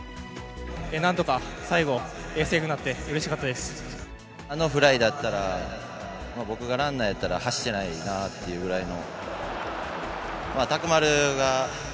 なんとか最後、セーフになっあのフライだったら、僕がランナーやったら走ってないなというぐらいの。